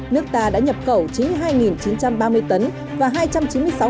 nước ta đã nhập khẩu chín mươi hai chín trăm ba mươi tấn và hai trăm chín mươi sáu tấn